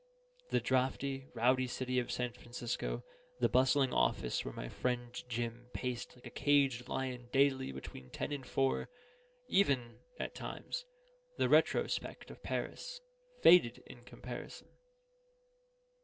The draughty, rowdy city of San Francisco, the bustling office where my friend Jim paced like a caged lion daily between ten and four, even (at times) the retrospect of Paris, faded in comparison.